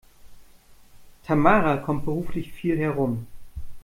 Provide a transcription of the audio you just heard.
Tamara kommt beruflich viel herum.